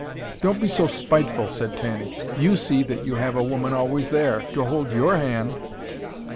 "Don't be so spiteful," said Tanny. "YOU see that you have a woman always there, to hold YOUR hand."